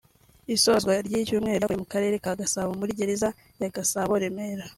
isozwa ry’iri cyumweru ryakorewe mu Karere ka Gasabo muri Gereza ya Gasabo (Remera)